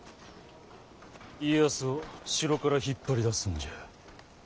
家康を城から引っ張り出すんじゃ。